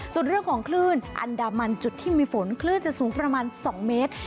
ส่วนเรื่องของคลื่นอันดามันจุดที่มีฝนคลื่นจะสูงประมาณ๒เมตร